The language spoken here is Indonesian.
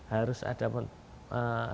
harus ada terjemahan lagi